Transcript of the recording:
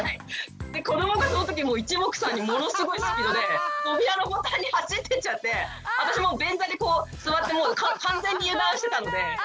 子どもがそのときいちもくさんにものすごいスピードで扉のボタンに走ってっちゃって私もう便座に座って完全に油断してたので。